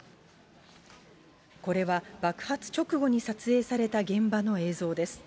これは爆発直後に撮影された現場の映像です。